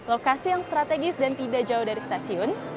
lokasi yang strategis dan tidak jauh dari stasiun